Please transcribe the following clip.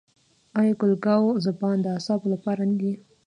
آیا ګل ګاو زبان د اعصابو لپاره نه دی؟